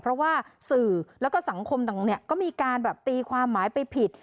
เพราะว่าสื่อแล้วก็สังคมต่างก็มีการแบบตีความหมายไปผิด